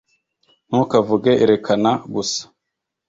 ntukavuge, erekana gusa.